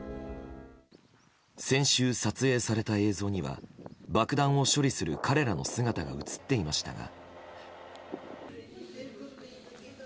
先週撮影された映像には爆弾を処理する彼らの姿が映っていましたが。